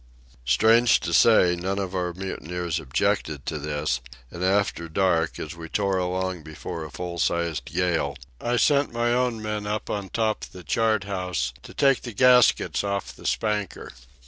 Strange to say, none of our mutineers objected to this, and after dark, as we tore along before a full sized gale, I sent my own men up on top the chart house to take the gaskets off the spanker.